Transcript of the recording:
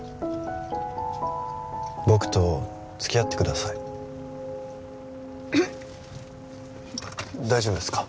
僕と付き合ってください大丈夫ですか？